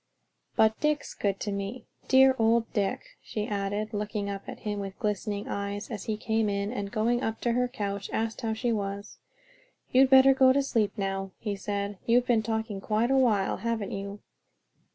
"But Dick's good to me; dear old Dick," she added, looking up at him with glistening eyes as he came in and going up to her couch, asked how she was. "You'd better go to sleep now," he said. "You've been talking quite awhile, haven't you?"